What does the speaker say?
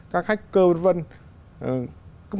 các khách cơ vân vân